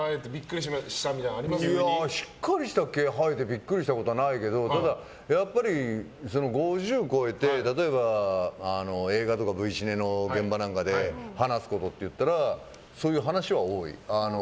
しっかりした毛が生えてビックリしたことはないけどただ、５０を超えて例えば、映画とかＶシネの現場なんかで話すことといったらそういう話は多い。